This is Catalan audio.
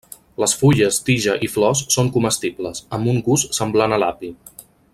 Les fulles, tija i flors són comestibles, amb un gust semblant a l'api.